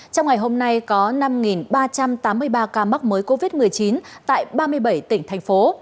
trong ngày hôm nay có năm ba trăm tám mươi ba ca mắc mới covid một mươi chín tại ba mươi bảy tỉnh thành phố